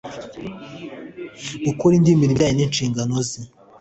gukora indi mirimo ijyanye n inshingano ze